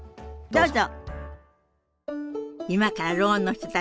どうぞ。